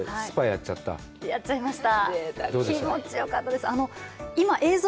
やっちゃいました。